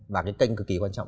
và cái kênh cực kì quan trọng